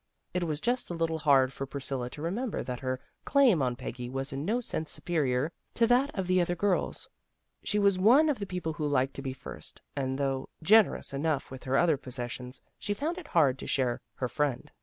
It was just a little hard for Priscilla to remember that her claim on Peggy was in no sense superior to that of the other girls. She was one of the people who liked to be first, and, though gener ous enough with her other possessions, she found it hard to share her friend.